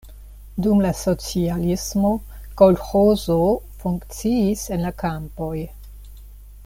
Dum la socialismo kolĥozo funkciis en la kampoj.